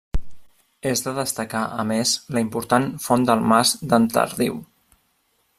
És de destacar, a més, la important Font del Mas d'en Tardiu.